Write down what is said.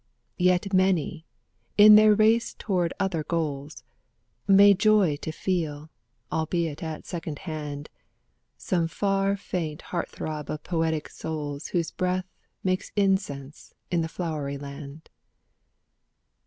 Yet many., in their race toward other goals., May joy to feel., albeit at second hand., Some far faint heart throb of poetic souls Whose breath makes incense in the Flowery Land.